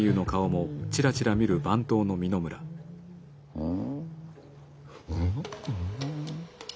うん。